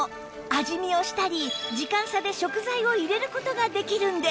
味見をしたり時間差で食材を入れる事ができるんです